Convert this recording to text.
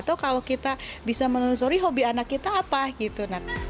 atau kalau kita bisa menelusuri hobi anak kita apa gitu